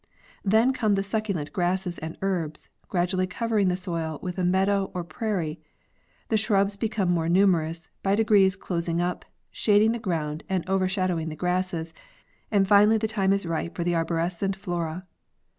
Then come the succulent grasses and herbs, gradually covering the soil with a meadow or prairie, the shrubs become more numerous, by degrees closing up, shading the ground and overshadowing the grasses, and finally the time is ripe for the arborescent flora.